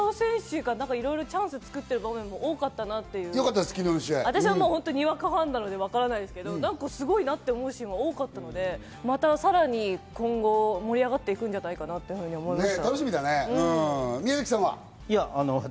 私的にも伊東選手がチャンスを作ってる場面が多かったと思って、私はにわかファンなので、わからないですけれども、すごいなと思うシーンが多かったので、さらに今後盛り上がっていくんじゃないかなと思いました。